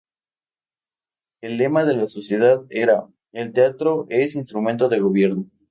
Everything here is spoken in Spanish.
El lema de la sociedad era: ""El teatro es instrumento de gobierno"".